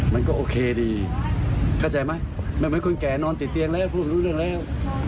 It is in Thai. มันก็โอเคดีเข้าใจไหมมันเหมือนคนแก่นอนติดเตียงแล้วพูดรู้เรื่องแล้ว